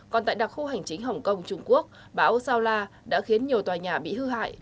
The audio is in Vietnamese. còn tại đặc khu hành chính hồng kông trung quốc bão sao la đã khiến nhiều tòa nhà bị hư hại